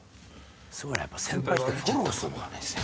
すごいやっぱり先輩ってフォローするんだね。